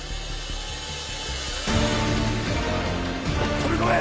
飛び込め！